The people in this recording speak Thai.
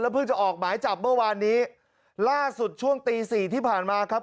เพิ่งจะออกหมายจับเมื่อวานนี้ล่าสุดช่วงตีสี่ที่ผ่านมาครับ